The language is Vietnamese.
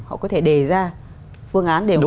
họ có thể đề ra phương án để